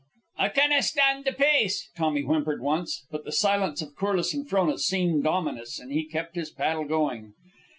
"I canna stand the pace," Tommy whimpered once; but the silence of Corliss and Frona seemed ominous, and he kept his paddle going.